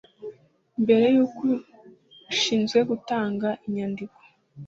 mbere y uko ushinzwe gutanga inyandiko